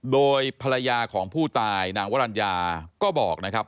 โดยภรรยาของผู้ตายนางวรรณญาก็บอกนะครับ